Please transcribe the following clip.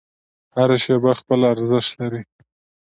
هره شیبه خپل ارزښت لري.